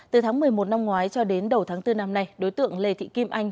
từ tháng một mươi một năm ngoái cho đến đầu tháng bốn năm nay đối tượng lê thị kim anh